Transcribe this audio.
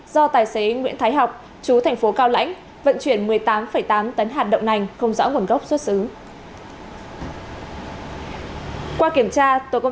do tài xế nguyễn thái học chú thành phố cao lãnh vận chuyển một mươi tám tám km